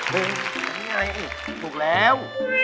เฮ่ยนี่ไงถูกแล้ว